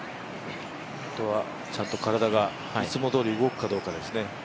あとはちゃんと体がいつもどおり動くかどうかですね。